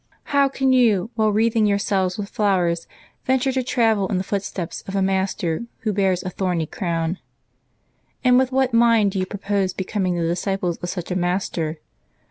How can you, while wreathing yourselves with flowers, venture to tread in the footsteps of a Master Who bears a thorny crown? And with what mind do you propose becoming the disciples of such a Master